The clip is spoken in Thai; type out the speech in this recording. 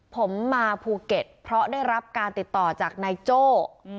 ผมมาภูเก็ตเพราะได้รับการติดต่อจากนายโจ้